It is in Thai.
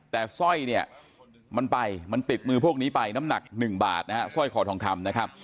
แต่สร้อยเนี่ยมันไปมันติดมือพวกนี้ไปน้ำหนัก๑บาทนะฮะสร้อยคอทองคำนะครับ